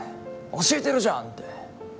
教えてるじゃんって。